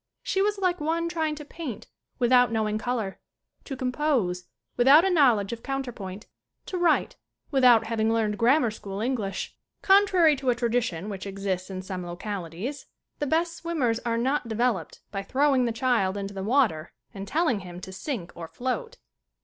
She was like one trying to paint without knowing color, to com pose without a knowledge of counter point, to write without having learned grammar school English. Contrary to a tradition which exists in some localities the best swimmers are not developed by throwing the child into the water and telling him to sink or float.